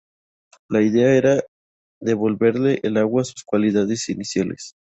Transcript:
La idea era devolverle al agua sus "cualidades iniciales".